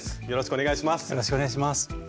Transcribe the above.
よろしくお願いします。